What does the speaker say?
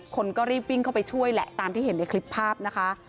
คนก็รีบวิ่งเข้าไปช่วยแหละตามที่เห็นในคลิปภาพนะคะ